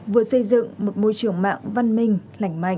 vừa xây dựng một môi trường mạng văn minh lành mạnh